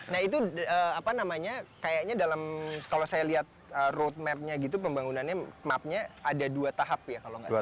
nah itu apa namanya kayaknya dalam kalau saya lihat roadmapnya gitu pembangunannya mapnya ada dua tahap ya kalau nggak salah